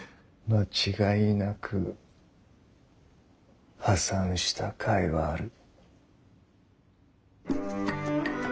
間違いなく「破産」したかいはある。